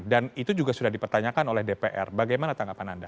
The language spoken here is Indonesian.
dan itu juga sudah dipertanyakan oleh dpr bagaimana tanggapan anda